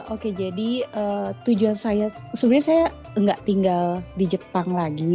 oke jadi tujuan saya sebenarnya saya nggak tinggal di jepang lagi